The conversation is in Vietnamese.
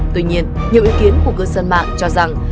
tuy nhiên nhiều ý kiến của cơ sân mạng cho rằng